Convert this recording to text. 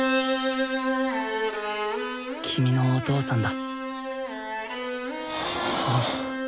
君のお父さんだ。